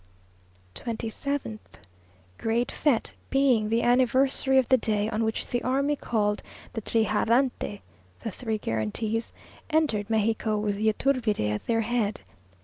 27th. Great fête; being the anniversary of the day on which the army called the trigarante (the three guarantees) entered Mexico with Yturbide at their head.